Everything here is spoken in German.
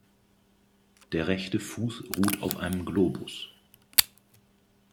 Der rechte Fuß ruht auf einem Globus.